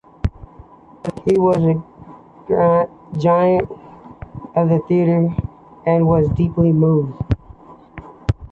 He was a giant of the theater and was deeply mourned.